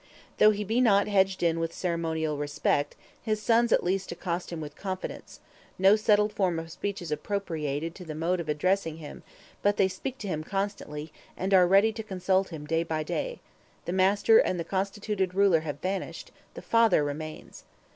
Though he be not hedged in with ceremonial respect, his sons at least accost him with confidence; no settled form of speech is appropriated to the mode of addressing him, but they speak to him constantly, and are ready to consult him day by day; the master and the constituted ruler have vanished the father remains.